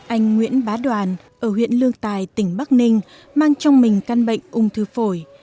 anh nguyễn bá đoàn ở huyện lương tài tỉnh bắc ninh mang trong mình căn bệnh ung thư phổi